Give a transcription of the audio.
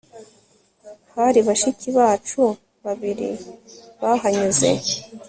hari bashiki bacu babiri bahanyuze